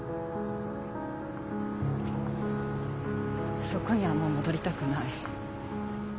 あそこにはもう戻りたくない。